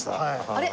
あれ？